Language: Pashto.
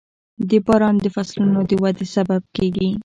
• باران د فصلونو د ودې سبب کېږي.